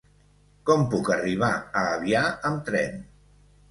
Com puc arribar a Avià amb tren?